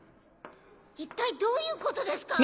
一体どういうことですか？